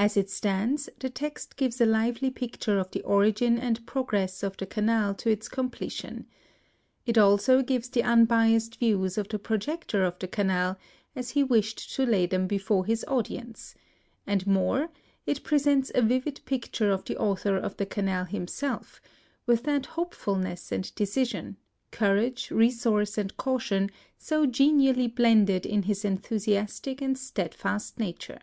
As it stands, the text gives a Uvely picture of the origin and progress of the Canal to its completion. It also gives the unbiassed views of the projector of the Canal as he wished to lay them before his audience — VI PREFACE. and more, it presents a vivid picture of the author of the Canal himself, with that hope fulness and decision, courage, resource, and caution, so genially blended in his enthusi astic and steadfast nature.